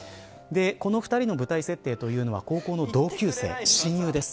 この２人の舞台設定というのは高校の同級生、親友です。